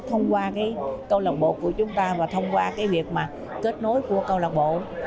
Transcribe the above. thông qua câu lạc bộ của chúng ta và thông qua việc kết nối của câu lạc bộ